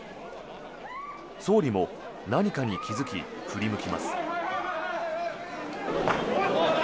総理も何かに気付き振り向きます。